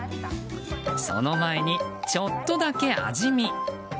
その前にちょっとだけ味見。